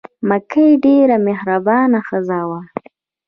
مکۍ ډېره مهربانه ښځه وه.